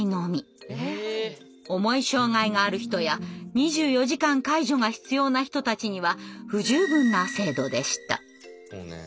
重い障害がある人や２４時間介助が必要な人たちには不十分な制度でした。